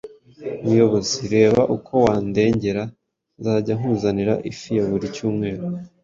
muyobozi, reba uko wandengera nzajya nkuzanira ifi ya buri cyumweru.